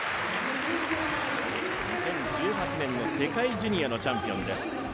２０１８年の世界ジュニアのチャンピオンです。